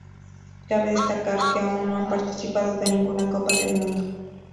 Cabe destacar que aún no han participado de ninguna Copa del Mundo.